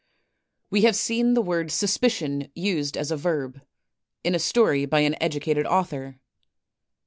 We have seen the word suspicion used as a verb, in a story by an educated FINAL ADVICES 319 author.